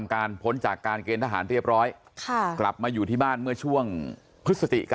เค้าเคยเป็นทหารเกณฑ์